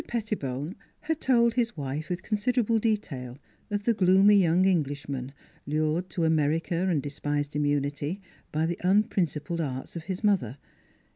Pettibone had told his wife with con siderable detail of the gloomy young English es 1 56 NEIGHBORS man, lured to America and despised immunity by the unprincipled arts of his mother.